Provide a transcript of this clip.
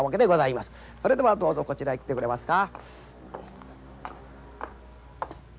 それではどうぞこちらへ来てくれますか。